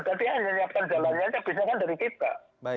jadi hanya menyiapkan jalannya bisa kan dari kita